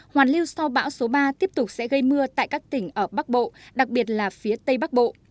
hoàn lưu sau bão số ba tiếp tục sẽ gây mưa tại các tỉnh ở bắc bộ đặc biệt là phía tây bắc bộ